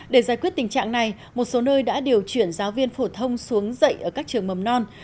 để giải quyết tình trạng này một số nơi đã điều chuyển giáo viên phổ thông xuống dậy ở các trường mầm non